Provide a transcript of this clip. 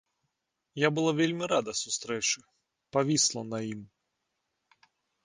Я была вельмі рада сустрэчы, павісла на ім.